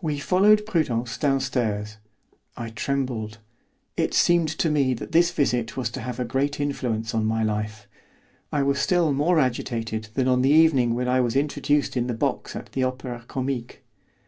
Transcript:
We followed Prudence downstairs. I trembled; it seemed to me that this visit was to have a great influence on my life. I was still more agitated than on the evening when I was introduced in the box at the Opera Comique.